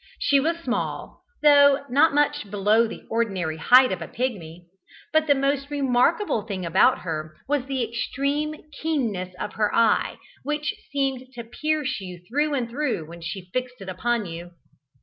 She was small, though not much below the ordinary height of a Pigmy; but the most remarkable thing about her was the extreme keenness of her eye, which seemed to pierce you through and through when she fixed it upon you.